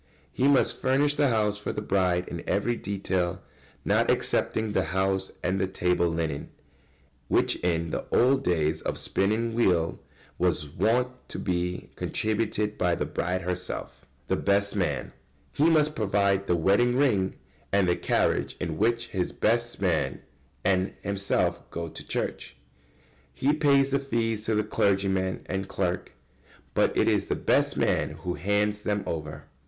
He must furnish the house for the bride in every detail, not excepting the house and table linen, which, in the old days of spinning wheels, was wont to be contributed by the bride herself. [Sidenote: The best man.] He must provide the wedding ring and the carriage in which his best man and himself go to church. He pays the fees to clergyman and clerk, but it is the best man who hands them over.